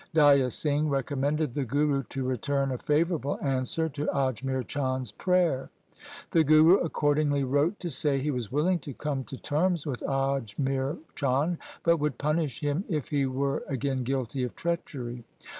Daya Singh recommended the Guru to return a favourable answer to Ajmer Chand's prayer. The Guru accordingly wrote to say he was willing to come to terms with Ajmer Chand, but would punish him if he were again guilty of treachery.